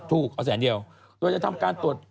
เอาแสนเดียวโดยจะทำการตรวจ